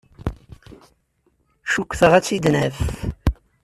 Cukkteɣ ad tt-id-naf.